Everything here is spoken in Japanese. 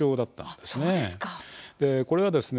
でこれがですね